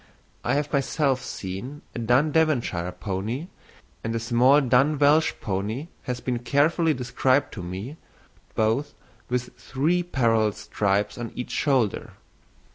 I have myself seen a dun Devonshire pony, and a small dun Welsh pony has been carefully described to me, both with three parallel stripes on each shoulder.